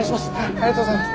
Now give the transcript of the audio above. ありがとうございます。